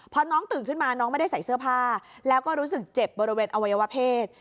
พอน้องตื่นขึ้นมาน้องไม่ได้ใส่เสื้อผ้าแล้วก็รู้สึกเจ็บบริเวณอวัยวเพศ